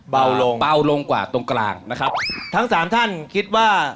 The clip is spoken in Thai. เบาลงเบาลงกว่าตรงกลางนะครับทั้งสามท่านคิดว่า